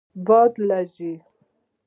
باد لږیږی